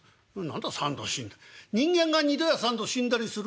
人間が２度や３度死んだりするのか？」。